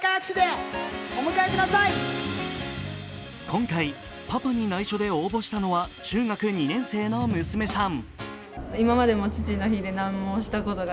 今回、パパに内緒で応募したのは中学２年生の娘さん。